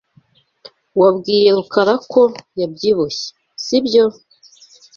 Wabwiye Rukara ko yabyibushye, sibyo?